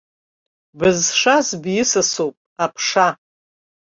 Бызшаз бисасуп аԥша!